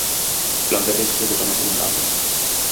Plan de riscos de zonas inundables.